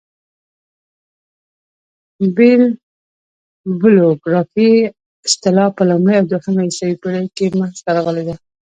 بیبلوګرافي اصطلاح په لومړۍ او دوهمه عیسوي پېړۍ کښي منځ ته راغلې ده.